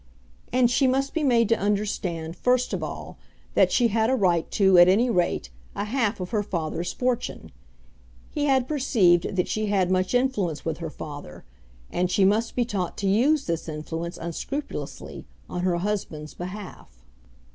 And she must be made to understand, first of all, that she had a right to at any rate a half of her father's fortune. He had perceived that she had much influence with her father, and she must be taught to use this influence unscrupulously on her husband's behalf.